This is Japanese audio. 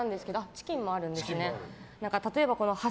チキンもあるんですよね。